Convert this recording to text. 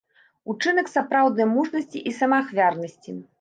Учынак сапраўднай мужнасці і самаахвярнасці.